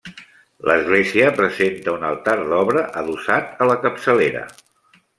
L'església presenta un altar d'obra adossat a la capçalera.